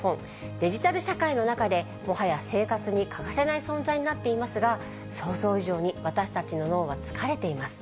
デジタル社会の中で、もはや生活に欠かせない存在になっていますが、想像以上に私たちの脳は疲れています。